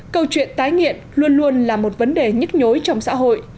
câu chuyện tái nghiện luôn luôn là một vấn đề nhức nhối trong xã hội